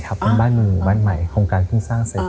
ใช่ค่ะเป็นบ้านมือหนึ่งบ้านใหม่โครงการเพิ่งสร้างเสร็จ